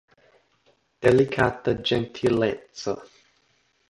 Delikata ĝentileco!